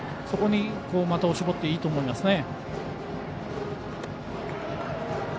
そこに的を絞っていいと思います。